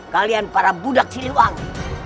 kalian para budak siri wangi